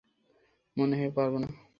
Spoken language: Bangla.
মনেহয় পারবো না।